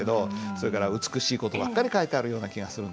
それから美しい事ばっかり書いてあるような気がするんだけど。